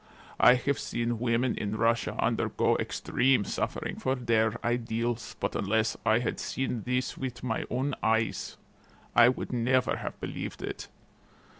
I have seen women in Russia undergo extreme suffering for their ideals, but unless I had seen this with my own eyes I never would have believed it.